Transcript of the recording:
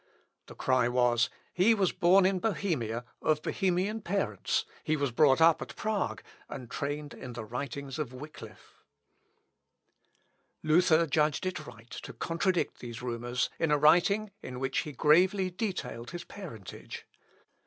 The cry was, "he was born in Bohemia, of Bohemian parents, he was brought up at Prague, and trained in the writings of Wickliffe." L. Op. (L.) xvii, p. 281. Luther judged it right to contradict these rumours in a writing in which he gravely detailed his parentage.